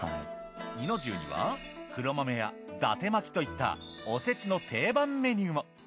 弐の重には黒豆や伊達巻といったおせちの定番メニューも。